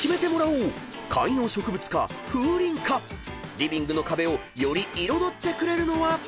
［リビングの壁をより彩ってくれるのは⁉］